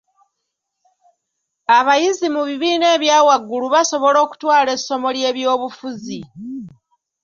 Abayizi mu bibiina ebya waggulu basobola okutwala essomo ly'ebyobufuzi.